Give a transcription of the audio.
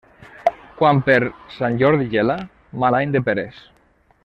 Quan per Sant Jordi gela, mal any de peres.